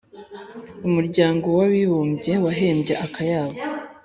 Umuryango w'Abibumbye wahembye akayabo